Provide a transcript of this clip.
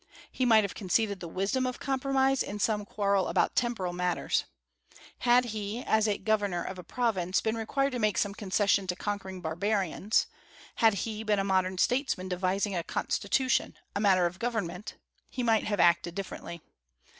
He might have conceded the wisdom of compromise in some quarrel about temporal matters. Had he, as governor of a province, been required to make some concession to conquering barbarians, had he been a modern statesman devising a constitution, a matter of government, he might have acted differently.